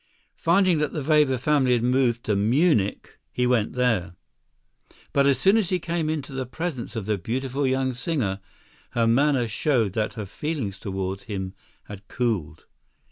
Finding that the Weber family had moved to Munich, he went there. But as soon as he came into the presence of the beautiful young singer her manner showed that her feelings toward him had cooled.